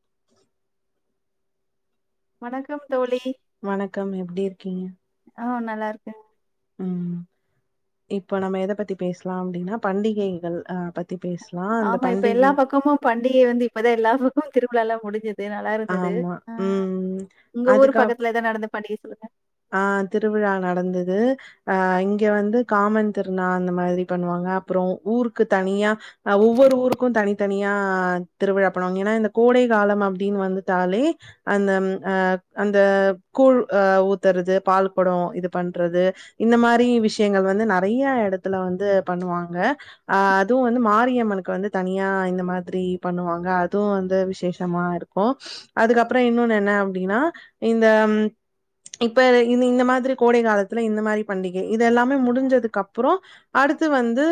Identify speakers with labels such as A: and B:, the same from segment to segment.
A: [inaudible]
B: வணக்கம் தோழி.
A: வணக்கம் எப்டி இருக்கீங்
B: அ நல்லாருக்கே
A: ம் இப்ப நம்ம எத பத்தி பேஸ்லா அப்டின்னா பண்டிகைகள் அ பத் தி பேஸ்லா அந்த
B: ஆமா இப்ப எல்லா
A: பண்டிகை
B: பக்கமும் பண்டிகை வந்து இப்பதா எல்லா பக்கமு திருவிழால்லா முடிஞ்சி து நல்லா இருந்துது
A: ஆமா
B: ஆ
A: ம்
B: உங்க ஊர்
A: அதுக்கா
B: பக்கத்துல ஏதா நடந்த பண்டிகை சொல்லுங்க
A: ஆ திருவிழா நடந்துது அ இங்க வந்து காமன் திருநா அந்த மாதிரி பண்ணுவாங்க அப்றோ ஊருக்கு தனியா ஆ ஒவ்வொரு ஊருக்கு தனி தனியா திருவிழா போனம் ஏன்னா இந்த கோடை காலம் அப்டின்னு வந்துட்டாலே அந்தம் அ அந்த கூழ் அ ஊத்துறது பால் கொடோ இது பண்றது இந்த மாரி விஷியங்கள் வந்து நறைய எடத்துல வந்து பண்ணுவாங்க அ அதுவு வந்து மாரியம்மனுக்கு வந்து தனியா இந்த மாதிரி பண்ணுவாங்க அதுவு வந்து விசேஷ மா இருக்கு அதுக்கப்புறோ இன்னொன்னு என்ன அப்டின்னா இந்த ம் இப்ப இந் இந்த மாதிரி கோடை காலத்துல இந்த மாரி பண்டிகை இது எல்லாமே முடிஞ்சதுக்கப்புறோ அடுத்து வந்து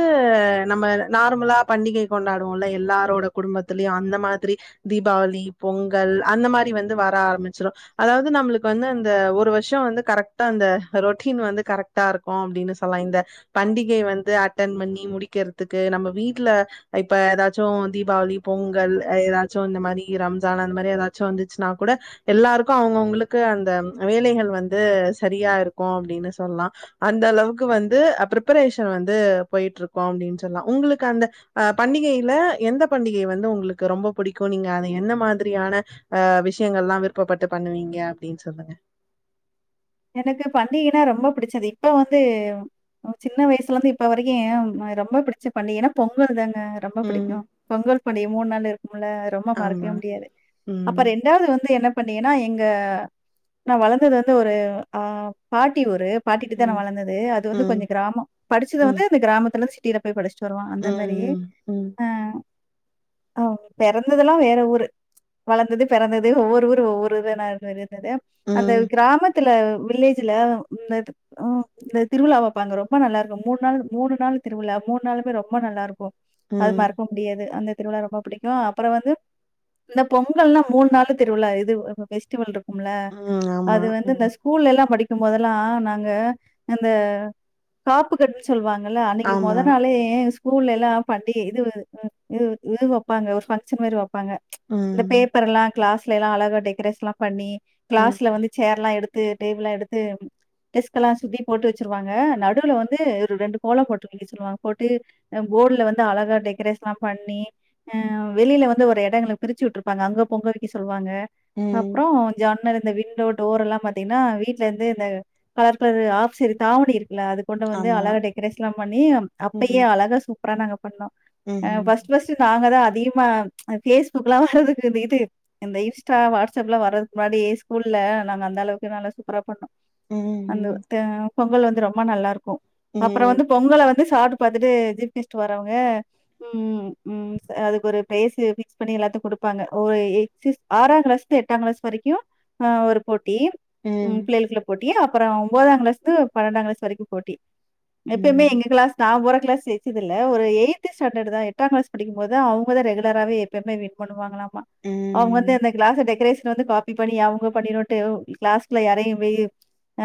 A: நம்ம நார்மலா பண்டிகை கொண்டாடுவோல்ல எல்லாரோட குடும்பத்துலயு அந்த மாதிரி தீபாவளி பொங்கல் அந்த மாரி வந்து வர ஆரம்பிச்சிரு அதாவ்து நம்மளுக்கு வந்து அந்த ஒ ரு வருஷம் வந்து கரெக்டா அந்த ரொட்டின் வந்து கரெக்டா இருக்கொ அப்டின்னு சொல்லா இந்த பண்டிகை வந்து அட்டன் பண்ணி முடிக்கறதுக்கு நம்ம வீட்டு்ல இப்ப ஏதாச்சு தீபாவளி பொங்கல் ஏதாச்சு இந்த மாரி ரம்ஜான் அந்த மாரி ஏதாச்சு வந்துச்சுன்னா கூட எல்லாருக்கூ அவங்கவுங்களுக்கு அந்தம் வேலைகள் வந்து சரியா இருக்கொ அப்டின்னு சொல்லா அந்த அளவுக்கு வந்து அ பிரிப்பரேஷன் வந்து போயிட்டு இருக்கோப்டின்னு சொல்லா உங்களுக்கு அந்த அ பண்டிகையில எந்த பண்டிகை வந்து உங்களுக்கு ரொம்ப புடிக்கு நீங்க அத என்ன மாதிரியான அ விஷயங்கள்லா விருப்பப்பட்டு பண்ணுவீங்க அப்டின் சொல்லுங்க
B: எனக்கு பண்டிகைனா ரொம்ப புடிச்சது இப்ப வந்து சின்ன வயசுலந்து இப்ப வரைக்கு ஏன் அ ரொம்ப பிடிச்ச பண்டிகைனா பொங்கல் தாங் அ ரொம்ப
A: ம்.
B: பிடிக்கு பொங்கல் பண்டிகை மூண் நாள் இருக்கும்ல ரொம்ப
A: ஆமா.
B: மறக்கவே முடியாது அப்ப
A: ம்.
B: ரெண்டாது வந்து என்ன பண்டிகைனா எங்க நா வளந்தது வந்து ஒரு அ பாட்டி ஊரு பாட்டிட்ட தா நா
A: ம்.
B: வளந்தது அது வந்து
A: ம்.
B: கொஞ்சோ கிராமோ படிச்சது
A: ம்.
B: வந்து இந்த கிராமத்துல சி ட்டில போய் படிச்சிட்டு வருவாங்க அந்த மரி
A: ம். ம்.
B: ஆ ஓ பெறந்ததுலா வேற ஊரு வளந்தது பெறந்தது ஒவ்வொரு ஊரு ஒவ்வொரு இது நா இருந்தது அந்த
A: ம்.
B: கிராமத்துல வில்லேஜ்ல ஆ இந்த திருவிழா வப்பாங்க ரொம்ப நல்லாருக்கு மூண் நாள் மூணு நாள் திருவிழா மூணு நாளுமே ரொம்ப நல்லாருக்கு அது
A: ம்.
B: மறக்க முடியாது அந்த திருவிழா ரொம்ப பிடிக் ஆ அப்றோ வந்து இந்த பொங்கல்னா மூணு நாளு திருவிழா இது பெஸ்டிவல்ருக் ம்ல
A: ம். ஆமா.
B: அது வந்து
A: ம்.
B: இந்த ஸ்கூல்ல எல்லா படிக்கும்போதெல்லா நாங்க இந்த காப்பு கட்டுன் சொல்லுவாங்கல அன்னைக்கு
A: ஆமா.
B: மொத நாளே ஸ்கூல்ல எல்லா பண்டி இது இது இது வைப்பாங்க ஒரு பங்க்ஷன் மரி வப் பாங்க
A: ம்.
B: இந்த பேப்பர் ல்லா கிளாஸ்ல எல்லா அழகா டெரேஷன்லா பண்ணி
A: ம்.
B: கிளாஸ்ல வந்து சேர்லா எடுத்து டேபுள்லா எடுத்து டெஸ்கெல்லா சுத்தி போட்டு வச்சுருவாங்க நடுல வந்து ஒரு ரெண்டு கோலம் போட்டுருக்க சொல்லுவாங்க போட்டு அ போர்ட்ல வந்து அழகா டெக்ரேஷன்லா பண்ணி ஆ வெளில வந்து ஒரு எடங்கள பிரிச்சு உட்ருப்பாங்க அங்க பொங்க வைக்க சொல்வாங்க
A: ம்.
B: அப்றோ ஜன்னலு இந்த விண்டோ டோர் எல்லா பாத்தீங்கன்னா வீட்ல இருந்து இந்த கலர் கலரு ஆஃப்சரி தாவணி இருக்குல அதுக் கொண்டு வந்து
A: ஆமா.
B: அழகா டெக்ரேஷன்லா பண்ணி அப்பையே
A: ம்.
B: அழகா சூப்பரா நாங்க பண்ணோ அ
A: ம்.
B: ஃபஸ்ட் ஃபஸ்ட் நாங்க தா அதிகமா ஃபேஸ்புக்லா வரதுக்கு இந்த இது இந்த இன்ஸ்டா வாட்ஸப்லா வரது முன்னாடி ஸ்கூல்லல நாங்க அந்த அளவுக்கு நல்லா சூப்பரா பண்ணோ
A: ம்.
B: அந்த
A: ம்.
B: த பொங்கல் வந்து ரொம்ப நல்லா இருக்கும் அப்றோ
A: ம்.
B: வந்து பொங்கல வந்து சாப்ட்டு பாத்துட்டு ஜிப் கெஸ்ட் வரவங்க ம் ம் அதுக்கு ஒரு ப்ரைஸ்சு ஃபிக்ஸ் பண்ணி எல்லாத்து குடுப்பாங்க ஒயி ஏ சிஸ் ஆறாங்கிளாஸ்ல எட்டாங்கிளாஸ் வரைக்கு அ ஒரு போட்டி ம் பிள்ளைளுக்குள்ள போட்டி அப்றோ ஒன்பதாங்கிளாஸ்லந்து பனெண்டாங்கிளாஸ் வரைக்கு போட்டி
A: ம்.
B: எப்பையுமே எங்க கிளாஸ் நா போற கிளாஸ் எத்திது இல்ல ஒரு எய்த்து ஸ்டண்டர்ட் தா எட்டாங்கிளாஸ் படிக்கும் போது அவங்கலா ரெகுலராகவே எப்பமே வீன் பண்ணுவாங்களாம் அவுங்க வந்து
A: ம்
B: அந்த கிளாஸ டெரேஷ்ன வந்து காப்பி பண்ணி அவங்க பண்ணிடுவன்ட்டு கிளாஸ் க்ல யாரையு வே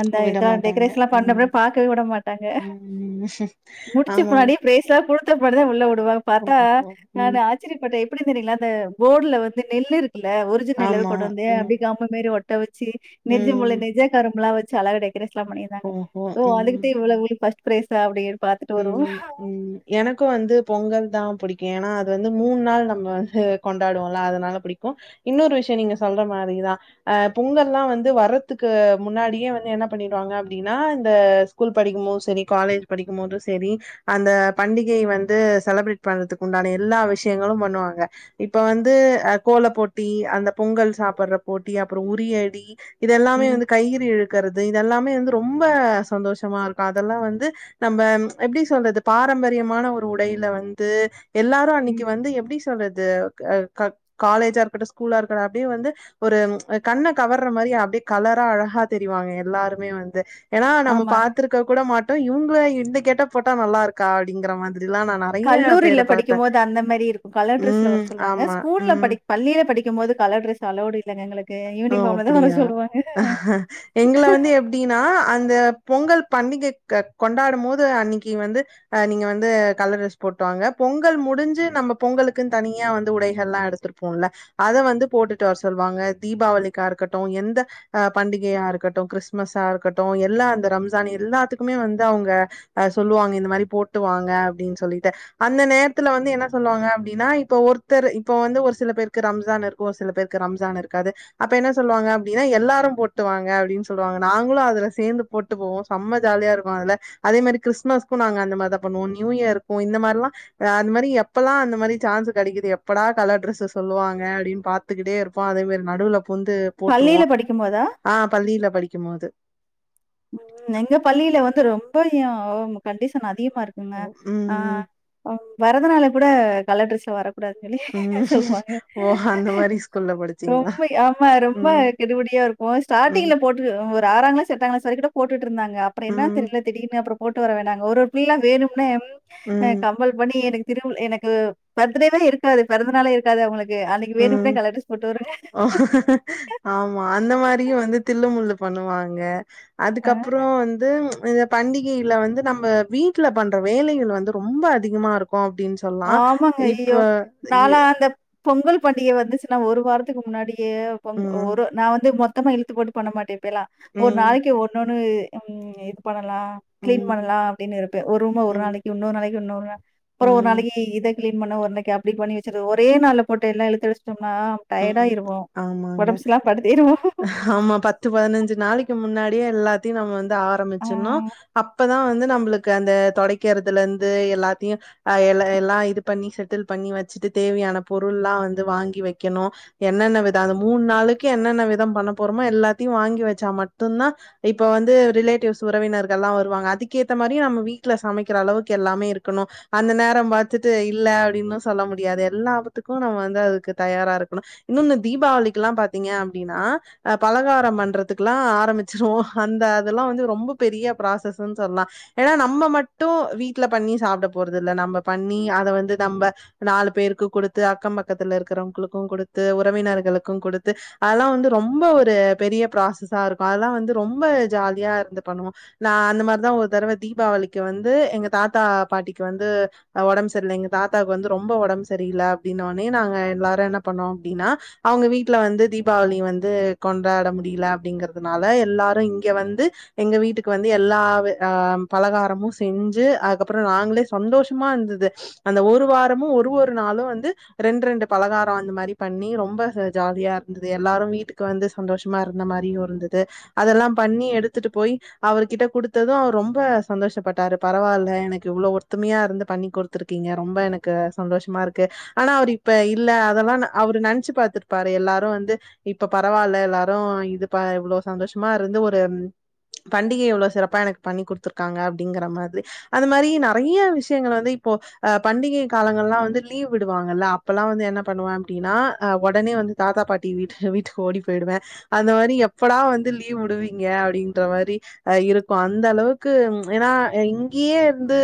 B: அந்த
A: விட
B: இதா
A: மாட்டாங்க
B: டெக்ரேஷன்லா பண்ணவே
A: ம்
B: பாக்கவே உட மாட்டாங்க
A: ம்
B: முடிச்ச
A: ஆமா
B: பின்னாடி ஃபேரேஸ்லா குடுத் த்தபாடி தா உள்ள உடுவாங்க பாத்தா
A: ஓஹோ ம்
B: நானு ஆச்சர்ய பட்டே எப்டி தெரியங்ளா அந்த போர்ட்ல வந்து நெல்லுருக் குல்ல ஒரிஜினல் நெல்
A: ஆமா
B: கொண்டு வந்து
A: ம்
B: அப்டே கம்மு மேரி ஒட்ட வச்சு நெஜிமுளே
A: ம்
B: நெஜ கரும்புலா வச்சி அழகா டெக்ரெஷன்லா பண்ணிருந்தாங்க
A: ஓஹோ
B: ஓ அதுக்கு
A: ம்
B: தா இவ்ள இவ் ஃபஸ்ட் பிரைசா பாத்துட்டு வருவோ
A: எனக்கு வந்து பொங்கல் தா புடிக்கு ஏனா அது வந்து மூண் நாள் நம்ம வந்து கொண்டாடுவோல அதனால புடிக்கு இன்னொரு விஷ்யோ நீங்க சொல்ற மாரிதா அ பொங்கல்லா வந்து வர்றதுக்கு முன்னாடியே வந்து என்ன பண்ணிடுவாங்க அப்டின்னா இந்த கூல் படிக்கும்போது செரி காலேஜ் படிக்கும்போது செரி அந்த பண்டிகையை வந்து செல்ப்ரேட் பண்றதுக்கு உண்டான எல்லா விஷயங்களு பண்ணுவாங்க இப்ப வந்து அ கோல போட்டி அந்த பொங்கல் சாப்பிடுற போட்டி அப்ற உரியடி இததுெல்லாமே
B: ம்,
A: வந்து கயிறு இழுக்கறது இதெல்லாமே வந்து ரொம்ப சந்தோஷமா இருக்கு அதெல்லா வந்து நம்ம எப்படி சொல்றது பாரம்பரியமான ஒரு உடயில வந்து எல்லாரு அன்னைக்கு
B: ம்.
A: வந்து எப்படி சொல்லற என்ன சொல்றது ஆ காலேஜா இருக்கட்டு ஸ்கூலா இருக்கட்டு அப்டியே வந்து ஒரு கண்ண கவர்ற மாரி அப்டியே கலரா அழகா தெறிவாங்க எல்லாருமே வந்து ஏன்னா நம்ம
B: ஆமா.
A: பாத்துருக்க கூட மாட்டோ இவங்க இந்த கெட்ட போட்டா நல்லா இருக்கா அப்டிங்கற மாரிலா நா நெறைய
B: கல்லூரியில
A: பேர
B: படிக்கு
A: பாத்தே
B: போது அந்த மாரி இருக்கு கலர் ட்ரெஸ்ல வர
A: ம்
B: சொல்லுவாங்க
A: ஆமா
B: ஸ்கூல்ல
A: ம்
B: படி பள்ளியில படிக்கு போது கலர் டிரஸ் அலோடு இல்லங்க எங்களுக்கு
A: ஆ
B: யூனிஃபார்ம்ல தான் வர
A: அப்டியா
B: சொல்லுவாங்க.
A: எங்கள வந்து எப் எப்டின்னா அந்த பொங்கல் பண்டிகை கொ கொண்டாடு போது அன்னைக்கு வந்து நீங்க வந்து கலர் டிரஸ் போட்டுவாங்க பொங்கல் முடிஞ்சு நம்ம பொங்கலுக்குனு தனியா வந்து உடைகள் எல்லா எடுத்து த்துருப்போல்ல அத வந்து போட்டுட்டு வர சொல்லுவாங்க தீபாவளிக்கா இருக்கட்டு எந்த அ பண்டிகையா இருக்கட்டு கிறிஸ்துமஸா இருக்கட்டு எல்லா அந்த ரம்ஜான் எல்லாத்துக்குமே வந்து அவங்க அ சொல்லுவாங்க இந்த மாரி போட்டுவாங்க அப்டின்னு சொல்லிட்டு அந்த நேரத்துல வந்து என்ன சொல்லுவாங்க அப்டின்னா இப்ப ஒருத்தர் இப்ப வந்து ஒரு சில பேருக்கு ரம்ஜான் இருக்கு ஒரு சில பேருக்கு ரம்ஜான் இருக் காது அப்ப என்ன சொல்லுவாங்கன அப்டின எல்லாரு போட்டுவாங்க அப்டின்னு சொல்லுவாங்க நாங்களு அதுல சேர்ந்து போட்டு போவோ செம்ம ஜாலியா இருக்கு அதுல அதே மாரி கிறிஸ்மஸுக்கு நா அந்த மாரிதா பன்னுவோ நியூ இயர் இருக்கு இந்த மாரில்லா அந்த மாரி எப்பல்லா அந்த மாரி சான்ஸ் கெடைக்குது எப்படா கலர் டிரஸ் சொல்லுவாங்க அப்டின்னு பாத்துக்கிட்டே இருப்போ அதே மாரி நடுவுல போந்து போட்டுருவோ
B: பள்ளியில படிக்கும்போதா?
A: ஆ பள்ளியில படிக்கு போது
B: எங்க பள்ளியில வந்து ரொம்பயு கண்டிஷன் அதிகமா இருக்குங்க
A: ம்
B: ஆ பிறந்தனலுக்கு கூட கலர் டிரெஸ்ல வரக் கூடாது சொல்லி
A: ம்
B: சொல்லுவாங்க
A: ஓ அந்த மாரி ஸ்கூல்ல படிச்சீங்களா
B: ரொம்ப ஆமா ரொம்ப
A: ம்
B: கெடுபுடியா இருக் ஓ
A: ம்
B: ஸ்டார்டிங் போட்டு ஒரு ஆறா கிளாஸ் எட்டா கிளாஸ் வர கூட போட்டுட்டு இருந்தாங்க அப்பற என்ன
A: ம்
B: தெரியில திடீர்யின்னு அப்பற போட்டு வர வேண்டாங்க ஒரு ஒரு பிள்ளைலா வேணும்னே
A: ம்
B: கம்பல் பண்ணி எனக்கு திரு எனக்கு பார்த்டே வே இருக்காது பிறந்தநாளே இருக் இருக்காது அவங்களுக்கு அன்னைக்கு
A: ம்
B: வேணும்னே கலர் டிரஸ் போட்டு வருங்க
A: ஓ ஆமா அந்த மாரியு வந்து தில்லுமுல்லு பண்ணுவாங்க
B: அ.
A: அதுக்கப்புற வந்து பண்டிகையில வந்து நம்ம வீட்டுல பண்ற வேலைகள் வந்து ரொம்ப அதிகமா இருக்கு அப்டின்னு சொல்
B: ஆமாங்க ஐயோயோ நாளா அந்த பொங்கல் பண்டிகை வந்துச்சுன்னா ஒரு வாரத்துக்கு முன்னாடியே
A: ம்
B: ஒரு நா வந்து மொத்த மொத்தமா இழுத்து போட்டு பண்ண மாட்டே இப்ப எல்லா ஒரு
A: ம்
B: நாளைக்கு ஒன்னொன்னு ம் இது பண்ணலா கிளீன்
A: ம்
B: பண்ணலா அப்டின்னு இருப்பே ஒரு ரூமா ஒரு
A: ம்
B: நாளைக்கு இன்னொரு நாளைக்கு இன்னொரு நா அப்புற ஒரு
A: ம்
B: நாளைக்கு இத கிளீன் பண்ண ஓரு நாளைக்கு அப்டிண்ணி வச்சது ஒரே நாள போட்டு எல்லா இழுத்து வச்சிட்டோம்னா டயர்டா
A: ம்
B: ஆயிடுவோ
A: ஆமாங்க
B: உடம்பு சரியில்லாம படுத்தேடுவோ
A: ஆமா பத் பத்து பதினஞ்சு நாளைக்கு முன்னாடியே எல்லாத்தையு நம்ம வந்து
B: ஆ.
A: ஆரம்பிச்சிடனு அப்தா வந்து நம்மளுக்கு அந்த தொடடைக்கிறதுல இருந்து எல்லாத்தையு அ எல்லா எல்லா இது பண்ணி செட்டில் பண்ணி வச்சுட்டு தேவையான பொருள்ல்லா வந்து வாங்கி வைக்கணு என்னென்ன வித அது மூணு நாளைக்கு என்னென்ன வித பண்ண போறோமோ எல்லாத்தையு வாங்கி வச்சா மட்டும்தா இப்ப வந்து ரிலேட்டிவ்ஸ் உறவினர்கள் எல்லா வருவாங்க அதுக்கேத்த மாரி நம்ம வீட்டுல சமக்கிற அளவுக்கு எல்லாமே இருக்கணு அந்த நேர பாத்துட்டு இல்ல அப்டின்னு சொல்ல முடியாது எல்லாத்துக்கு நம்ம வந்து அதுக்கு தயாரா இருக்கணு இன்னொன்னு தீபாவளிக்குலா பாத்தீங்க அப்டின்னா அ பலகார பண்றத்துக்குல்லா ஆரம்பிச்சிருவொ அந்த அதெல்லா வந்து ரொம்ப பெரிய ப்ராசஸ்ன் சொல்லா ஏன்னா நம்ம மட்டு வீட்ல பண்ணி சாப்ட போறது இல்ல நம்ம பண்ணி அத வந்து நம்ப நாலு பேருக்கு குடுத்து அக்க பக்கத்துல இருக்கறவங்களுக்கு குடுத்து உறவினர்களுக்கு குடுத்து அதெல்லா வந்து ரொம்ப ஒரு பெரிய ப்ராசஸா இருக்கு அதெல்லா வந்து ரொம்ப ஜாலியா இருந்து பண்ணுவோ நா அந்த மாரிதா ஒரு தடவ தீபாவளிக்கு வந்து எங்க தாத்தா பாட்டிக்கு வந்து அ ஒடம் சரில்ல எங்க தாத்தாக்கு வந்து ரொம்ப ஒடம் சரில்ல அப்டின்னோனே நாங்க எல்லாரு என்ன பண்ணோ அப்டின்னா அவுங்க வீட்ல வந்து தீ பாளி வந்து கொண்டாட முடில அப்டிங்கறதுனால எல்லாரு இங்க வந்து எங்க வீட்டுக்கு வந்து எல்லா ஆ பலகாரமு செஞ்சு அதுக்கப்றோ நாங்களே சந்தோஷமா இந்தது அந்த ஒரு வாரமு ஒரு ஒரு நாளு வந்து ரெண் ரெண்டு பலகாரோ அந்த மாரி பண்ணி ரொம்ப ஜாலியா இந்தது எல்லாரு வீட்டுக்கு வந்து சந்தோஷமா இருந்த மாரியு இருந்தது அதெல்லா பண்ணி எடுத்துட்டு போய் அவரு கிட்ட குடுத்தது அவரு ரொம்ப சந்தோஷப்பட்டாரு பரவால்ல எனக்கு இவ்ளோ ஒ த்துமையா இருந்து பண்ணி குடுத்துருக்கீங்க ரொம்ப எனக்கு சந்தோஷமா இருக்கு ஆனா அவர் இப்ப இல்ல அதெல்லா அவரு நெனச்சு பாத்துருப்பாரு எல்லா ரு வந்து இப்ப பரவால்ல எல்லாரு இது ப இவ்ளோ சந்தோஷமா இருந்து ஒரு பண்டிக எவ்ளோ சிறப்பா எனக்கு பண்ணி குடுத்துருக்காங்க அப்டிங்கற மாரி அது மாரி நெறய விஷயங்கள் வந்து இப்போ அ பண்டிகை காலங்கள்லாவந்து லீவ் விடுவாங்கள்ல அப்பலா வந்து என்ன பண்ணுவே அப்டின்னா ஒடனே வந்து தாத்தா பாட்டி வீட்டு வீட்டுக்கு ஓடி போயிடுவே அந்த மாரி எப்படா வந்து லீவு விடுவீங்க அப்டின்ற மாரி அ இருக்கு அந்த அளவுக்கு ஏன்னா இங்கயே இருந்து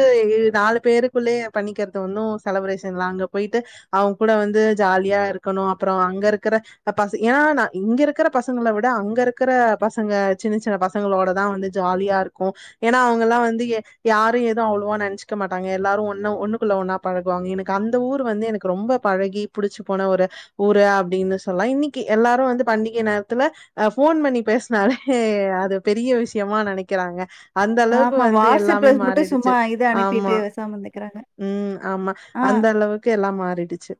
A: நாலு பேருக் குள்ளயே பண்ணிக்கிறது ஒன்னு செலப்ரேஷன்லா அங்க போய்ட்டு அவுங்க கூட வந்து ஜாலியா இருக்கணு அப்புற அங்க இரு க்கற பச ஏனா நா இங்க இருக்கற பசங்கள விட அங்க இருக்கற பசங்க சின்ன சின்ன ப சங்களோட தா வந்து ஜாலியா இருக்கு ஏன்னா அவுங்கல்லா வந்து யாரு எதுவு அவ்ளவா நென்ச்சுக்க மாட்டாங்க எல்லாரு ஒன்னா ஒன்னுக்குள்ள ஒன்னா பழகுவாங்க எனக்கு அந்த ஊரு வந்து எனக்கு ரொம்ப பழகி புடிச்சு போன ஒரு ஊரு அப்டின்னு சொல்லா இன்னிக்கி எல்லாரு வந்து பண்டிகை நேரத்துல அ ஃபோன் பண்ணி பேஸ்னாலே அது பெரிய விஷ் யமா நெனக்கிறாங்க அந்த அளவுக்கு
B: ஆமா.
A: வந்து
B: வாட்ஸ்அப்ல
A: எல்லாமே
B: மட்டும் சும்மா
A: மாறிடுச்சு
B: இத அனுப்பிட்டு
A: ஆம்மா
B: பேசாம இருந்துக்கிறாங்க.
A: ம் ஆம்மா
B: ஆ.
A: அந்த அளவுக்கு எல்லா மாறிடுச்சு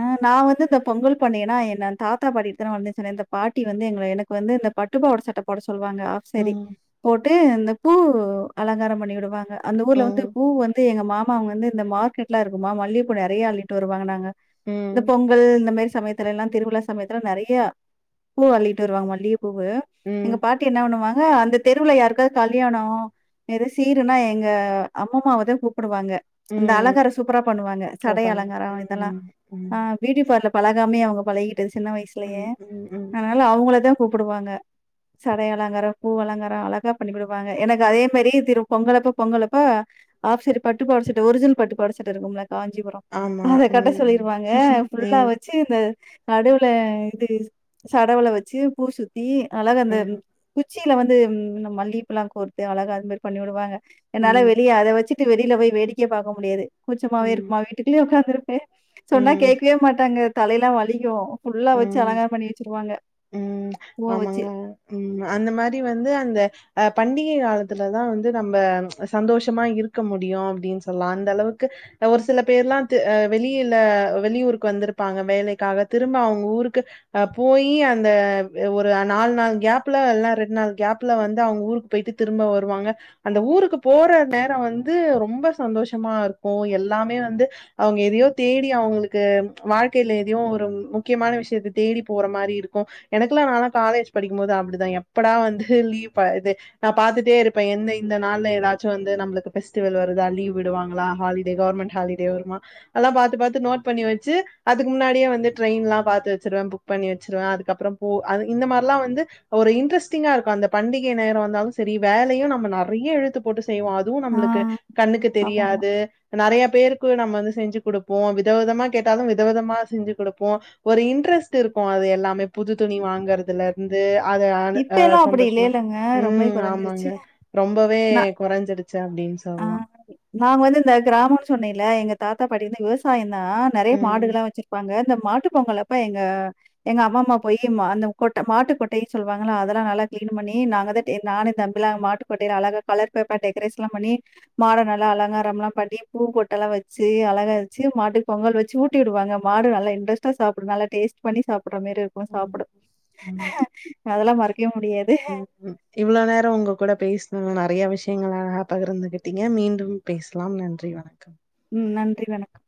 B: ஆ நா வந்து இந்த பொங்கல் பண்டிகன்னா என்ன தாத்தா பாட்டிகிட்ட தான வளந்தே சொன்னே இந்த பாட்டி வந்து எங்கள எனக் கு வந்து இந்த பட்டுப்பாவாட சட்ட போட சொல்வாங்க ஆஃப்சாரி
A: ம்
B: போட்டு இந்த பூ அலங்காரம் பண்ணிவிடு வாங்க அந்த ஊர்ல வந்து
A: ம்
B: பூ வந்து எங்க மா மாங்க வந்து இந்த மார்க்கெட்லா இருக்குமா மல்லிப்பூ நெறயா அள்ளிட்டு வருவாங்க நாங்க இந்த
A: ம்
B: பொங்கல் இந்த மாரி சமயத் துலலா திருவிழா சமயத்தில நெறயா பூ அள்ளிட்டு வருவாங்க மல்லிய பூவு எங்க
A: ம்
B: பா ட்டி என்ன பண்ணுவாங்க அந்த தெருவுல யாருக்காவது கல்யாணோ எதோ சீருனா எங்க அம்மமாவதா கூப்புடுவாங்க அந்த
A: ம்
B: அலங்காரோ சூப்பரா பண்ணுவாங்க
A: ஓ
B: சடை
A: பண்ணுவாங்க
B: அலங்காரோ இதெல்லா
A: ம் ம்
B: ஆ ப்யூட்டி பார்ல பழகாமே அவுங்க பழகிட்டது சின்ன வயசுலயே
A: ம் ம் ம்
B: அனால அவுங்களதா கூப்புடுவாங்க சடை அலங்காரோ பூ அலங்காரோ அழகா பண்ணி குடுப்பாங்க எனக்கு அதே மாரி திரும் பொங்கலப்ப பொங்கலப்ப ஆஃப் சரி பட்டுப்பாவாட சட்ட ஒரிஜில் பட்டுப்பாவாட சட்ட இருக்கும்ல காஞ்சிபுர
A: ஆமா ம்
B: சொல்லிருவாங்க ஃபுல்லா
A: ம்
B: வ ச்சு இந்த நடுவுல இது சடவுள வச்சு பூ சு த்தி அழகா அந்த
A: ம்
B: குச்சில வந்து இந்த மல்லிப்பூலா கோர்த்து அழகா அது மாரி பண்ணி வுடுவாங்க என்னால
A: ம்
B: வெளிய அதவச்சுட்டு வெளில போய் வேடிக்க பாக்க முடியாது கூச்சமாவே
A: ம்
B: இருக்குமா வீட்டுக்குள்ளயே உக்காந்திருப்பே சொன்னா
A: ம்
B: கேக்வே மாட்டாங்க தலயெல்லா வலிக்கு ஃபுல்லா வச்சு
A: ம்
B: அலங்காரோ பண்ணி வச்சிருவாங்க
A: ம்.
B: பூவ வச்சு
A: ஆமாங்க. ம் அந்த மாரி வந்து அந்த அ பண்டிகை காலத்துலதா வந்து நம்ப சந்தோஷமா இருக்க முடியு அப்டின் சொல்லா அந்தளவுக்கு ஆ ஒரு சில பேர்லா வெளில வெளியூருக்கு வந்திருப்பாங்க வேலைக்காக தி ரும்ப அவுங்க ஊருக்கு அ போயி அந்த ஒரு நால் நாள் கேப்ல இல்னா ரெண்நாள் கேப்ல வந்து அவுங்க ஊருக் போய்ட்டு திரும்ப வருவாங்க அந்த ஊருக்கு போற நேரோ வந்து ரொம்ப சந்தோஷமாருக்கு எல்லாமே வந்து அவுங்க எதையோ தேடி அவுங்ளுக்கு வாழ்க்கைல எதயோ ஒரு முக்கியமான விஷ்யத்த தேடி போற மாரி இருக்கு எனக்குலா நாலா காலேஜ் படிக்கும்போது அப்டிதா எப்படா வந்து லீவ் இது நா பாத்துட்டேருப்பே எந்த இந்த நாள்ல எதாச்சு வந்து நம்ளுக்கு ஃபெஸ்டிவல் வருதா லீவ் விடுவாங்ளா ஹாலிடே கவர்மெண்ட் ஹாலிடே வருமா அல்லா பாத்து பாத்து நோட் பண்ணி வச்சு அதுக்கு முன்னாடியே வந்து ட்ரெயின்லா பாத்துவச்சுருவே புக் பண்ணி வச்சுருவே அதுக்கப்றோ போ அது இந்த மார்லா வந்து ஒரு இன்ட்ரெஸ்டிங்காருக்கு அந்த பண்டிகை நேரோ வந்தாலு சேரி வேலையு நம்ம நறைய இழுத்து போட்டு செய்வோ அதுவு
B: ஆ
A: நம்ளுக்கு கண்ணுக்கு
B: ஆமாமா.
A: தெரியாது ப்ப நறைய பேருக்கு நம்ம வந்து செஞ்சு குடுப்போ விதவிதமா கேட்டாலு விதவிதமா செஞ்சு குடு ப்போ ஒரு இன்ட்ரெஸ்ட்ருக்கு அது எல்லாமே புது துணி வாங்குறதுல ந்து அத ஆனு
B: இப்ப
A: ஆ
B: எல்லாம் அப்படி
A: சந்தோஷ்மா
B: இல்லைலங்க. ரொம்பவே
A: ம்
B: குறைஞ்சிருச்சு.
A: ஆமாங்க ரொம்பவே
B: நான்
A: கொறஞ்சிடுச்சு அப்டின்
B: ஆ
A: சொல்லா
B: நாங்க வந்து இந்த கிராமோன் சொன்னேல எங்க தாத்தா பாட்டி வந்து விவ சாயந்தா நறைய
A: ம்.
B: மாடுகளா வச்சிருப்பாங்க இந்த மாட்டு பொங்கல் அப்ப எங்க எங்க அம்மம்மா போயி அந்த கொட்ட மாட்டு கொட்டை சொல்வாங்கள்ல அதெல்லா நல்லா கிளீன் பண்ணி நாங்க தா நானு எ தம்பிலா மாட்டு கொட்டய அழகா கலர் பேப்பர் டெக்ரேஷ்லா பண்ணி மாட நல்லா அலங்காரம்லா பண்ணி பூ பொட்டெல்லா வச்சு அழகா வச்சு மாட்டு பொங்கல் வச்சு ஊட்டிவுடுவாங்க மாடு நல்லா இன்ட்ரெஸ்டா சாப்டு நல்ல டேஸ்ட் பண்ணி சாப்புற மாரிரு க்கு
A: ம்.
B: சாப்புடு
A: ம்.
B: அதெல்லா மறக்கே முடியாத்
A: ம் இவ்ளோ நேரோ உங்க கூட பேசுன நறைய விஷ்யங்கள அழகா பகர்ந்துகிட்டீங்க மீண்டும் பேசலாம் நன்றி வணக்கம்
B: ம் நன்றி வணக்கம்